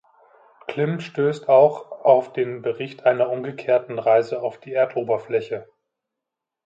Klim stößt auch auf den Bericht einer umgekehrten Reise auf die Erdoberfläche.